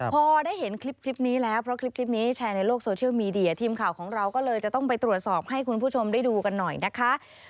พอได้เห็นคลิปนี้แล้วเพราะคลิปนี้แชร์ในโลกโซเชียลมีเดียทีมข่าวของเราก็เลยจะต้องไปตรวจสอบให้คุณผู้ชมได้ดูกันหน่อยนะคะ